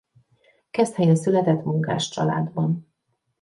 Keszthelyen született munkáscsaládban.